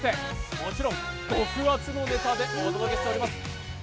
もちろん極厚のネタでお待ちしております。